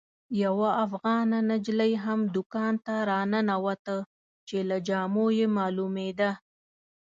یوه افغانه نجلۍ هم دوکان ته راننوته چې له جامو یې معلومېده.